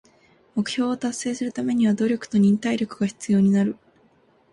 目標を達成するためには努力と忍耐力が必要になる。